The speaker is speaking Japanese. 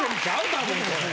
多分これ。